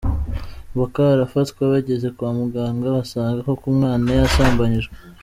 Mboka arafatwa bageze kwa muganga basanga koko umwana yasambanyijwe.